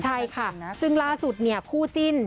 ใช่ค่ะซึ่งล่าสุดเนี่ยคู่จิ้น